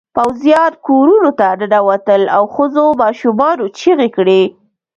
پوځيان کورونو ته ننوتل او ښځو ماشومانو چیغې کړې.